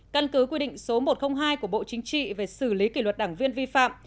căn cứ quy định số một trăm linh hai của bộ chính trị về xử lý kỷ luật đảng viên vi phạm